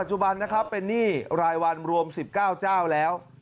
จนเป็นนี่รายวันรอม๑๙เจ้าแล้ว